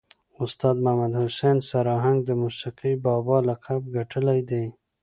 استاذ محمد حسین سر آهنګ د موسیقي بابا لقب ګټلی دی.